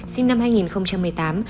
sinh năm hai nghìn một mươi tám